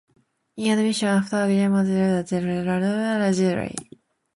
In addition, after German reunification, there were several Heiligenstadts in Germany.